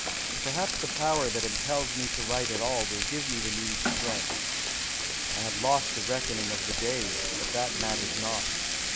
Perhaps the power that impels me to write at all will give me the needed strength. I have lost the reckoning of the days, but that matters not.